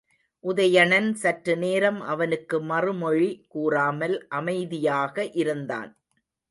உதயணன் சற்று நேரம் அவனுக்கு மறுமொழி கூறாமல் அமைதியாக இருந்தான்.